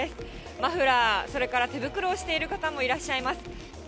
マフラー、それから手袋をしている方もいらっしゃいます。